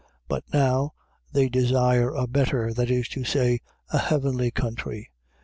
11:16. But now they desire a better, that is to say, a heavenly country.